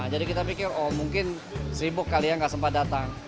jadi kita pikir oh mungkin sibuk kali ya nggak sempat datang